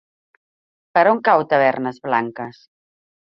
Per on cau Tavernes Blanques?